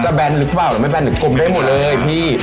แบนหรือเปล่าหรือไม่แนนหรือกลมได้หมดเลยพี่